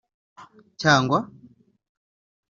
Cyangwa